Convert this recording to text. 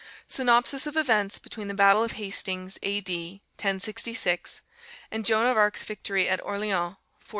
SYNOPSIS OF EVENTS BETWEEN THE BATTLE OF HASTINGS, A.D. 1066, AND JOAN OF ARC'S VICTORY AT ORLEANS, 1429.